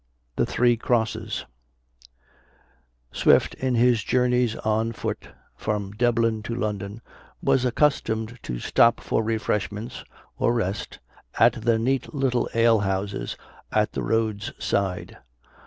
THE THREE CROSSES. Swift in his journeys on foot from Dublin to London, was accustomed to stop for refreshments or rest at the neat little ale houses at the road's side.